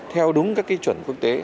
theo đúng các ký chuẩn quốc tế